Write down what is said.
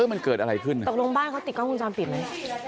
เอ้ยมันเกิดอะไรขึ้นตกลงบ้านเขาติดกล้องคุณจามปิดมั้ย